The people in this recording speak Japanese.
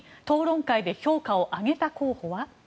討論会で評価を上げた候補は？